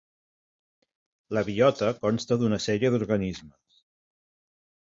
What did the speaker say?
La biota consta d'una sèrie d'organismes.